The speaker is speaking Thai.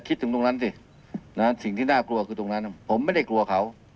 คิดถึงตรงนั้นสิสิ่งที่น่ากลัวคือตรงนั้นผมไม่ได้กลัวเขา